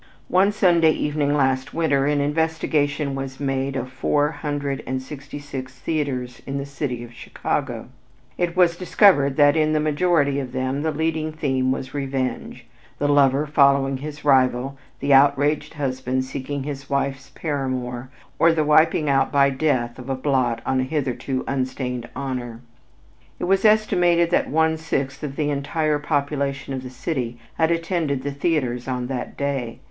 One Sunday evening last winter an investigation was made of four hundred and sixty six theaters in the city of Chicago, and it was discovered that in the majority of them the leading theme was revenge; the lover following his rival; the outraged husband seeking his wife's paramour; or the wiping out by death of a blot on a hitherto unstained honor. It was estimated that one sixth of the entire population of the city had attended the theaters on that day.